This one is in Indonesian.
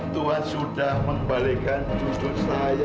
tuhan sudah mengembalikan duduk saya